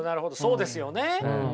そうですよね。